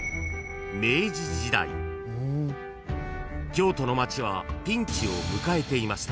［京都の街はピンチを迎えていました］